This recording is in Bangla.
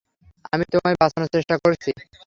আমি তোমায় বাঁচানোর চেষ্টা করছি।